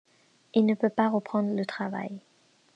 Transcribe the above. Il ne peut pas reprendre le travail.